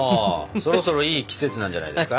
そろそろいい季節なんじゃないですか？